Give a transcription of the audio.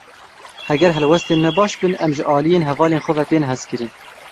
Heger helwestên me baş bin em ji aliyên hevalên xwe ve tên hezkirin.